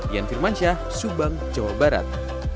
ian firmansyah subang jawa barat